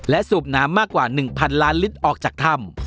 และสูบน้ำมากกว่า๑๐๐ล้านลิตรออกจากถ้ำ